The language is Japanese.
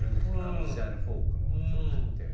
あの時代のフォークの曲って。